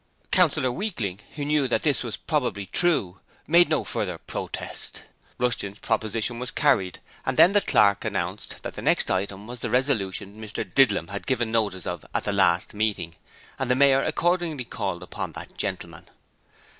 Councillor Weakling, who knew that this was probably true, made no further protest. Rushton's proposition was carried, and then the Clerk announced that the next item was the resolution Mr Didlum had given notice of at the last meeting, and the Mayor accordingly called upon that gentleman.